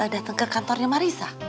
dateng ke kantornya marissa